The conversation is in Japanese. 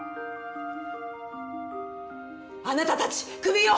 あなたたちクビよ！